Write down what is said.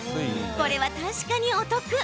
これは確かにお得。